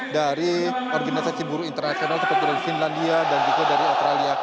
dari organisasi buruh internasional seperti dari finlandia dan juga dari australia